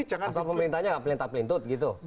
asal pemerintahnya enggak pelintas pelintut gitu